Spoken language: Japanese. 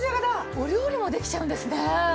お料理もできちゃうんですね！